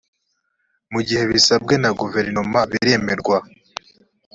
mu gihe bisabwe na guverinoma biremerwa